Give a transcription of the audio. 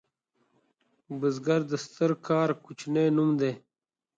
بزګر د ستر کار کوچنی نوم دی